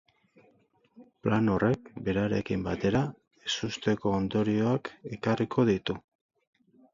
Plan horrek berarekin batera ezusteko ondorioak ekarriko ditu.